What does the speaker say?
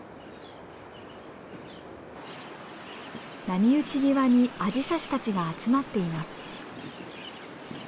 波打ち際にアジサシたちが集まっています。